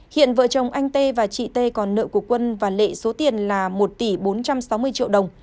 hiện vợ chồng anh tê và chị t còn nợ của quân và lệ số tiền là một tỷ bốn trăm sáu mươi triệu đồng